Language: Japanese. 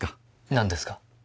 何ですか？